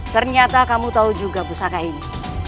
ternyata kamu tahu juga pusaka ini